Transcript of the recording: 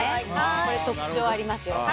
これ、特徴ありますよ。